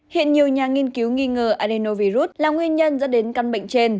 hiện nhiều nhà nghiên cứu nghi ngờ adenovirus là nguyên nhân dẫn đến căn bệnh trên